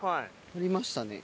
ありましたね。